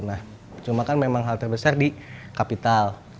nah cuma kan memang hal terbesar di kapital